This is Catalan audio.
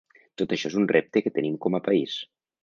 Tot això és un repte que tenim com a país.